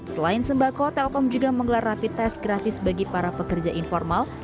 selain sembako telkom juga menggelar rapi tes gratis bagi para pekerja informal